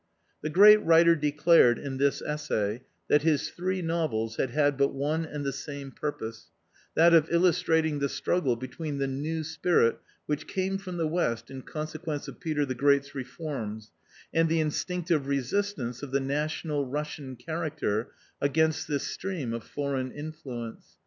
" The great writer declared, in this essay, that his three novels had had but one and the same purpose, that of illus trating the struggle between the new spirit which came from the West in consequence of Peter the Great's reforms, and the instinctive resistance of the national Russian character against this stream of foreign influence.